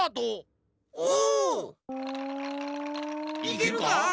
いけるか？